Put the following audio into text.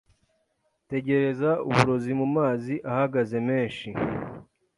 Tegereza uburozi mumazi ahagaze menshi